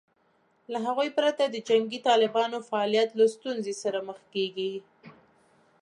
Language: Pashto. له هغوی پرته د جنګي طالبانو فعالیت له ستونزې سره مخ کېږي